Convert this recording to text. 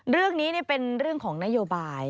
เรื่องนี้เป็นเรื่องของนโยบาย